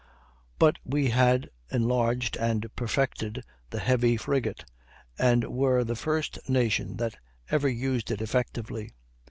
But we had enlarged and perfected the heavy frigate, and were the first nation that ever used it effectively.